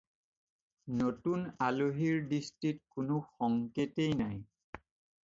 নতুন আলহিৰ দৃষ্টিত কোনো সংকেতেই নাই।